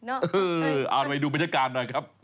เออเอาไปดูบรรยากาศหน่อยครับ